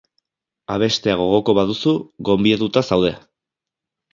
Abestea gogoko baduzu, gonbidatuta zaude!